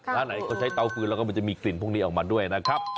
ร้านไหนเขาใช้เตาฟืนแล้วก็มันจะมีกลิ่นพวกนี้ออกมาด้วยนะครับ